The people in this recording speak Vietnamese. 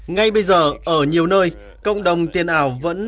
ngay bây giờ ở nhiều nơi cộng đồng tiền ảo vẫn